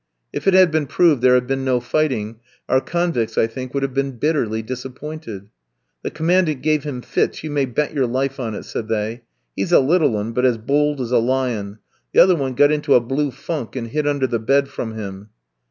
If it had been proved there had been no fighting our convicts, I think, would have been bitterly disappointed. "The Commandant gave him fits, you may bet your life on it," said they; "he's a little 'un, but as bold as a lion; the other one got into a blue funk, and hid under the bed from him."